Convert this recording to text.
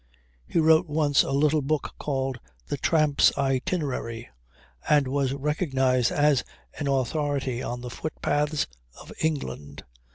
He wrote once a little book called the 'Tramp's Itinerary,' and was recognised as an authority on the footpaths of England.